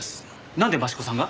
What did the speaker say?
なんで益子さんが？